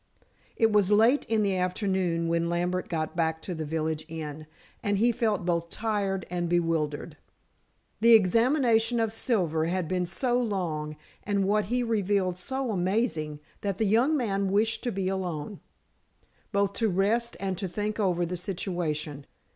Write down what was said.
It was late in the afternoon when Lambert got back to the village inn, and he felt both tired and bewildered. The examination of Silver had been so long, and what he revealed so amazing, that the young man wished to be alone, both to rest and to think over the situation.